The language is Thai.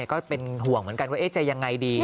ก็เป็นห่วงเหมือนกันว่าจะยังไงดี